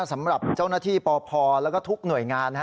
สำหรับเจ้าหน้าที่ปพแล้วก็ทุกหน่วยงาน